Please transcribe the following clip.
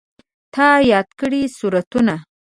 تا یاد کړي سورتونه